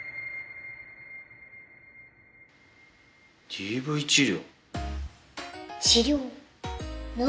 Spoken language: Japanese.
ＤＶ治療。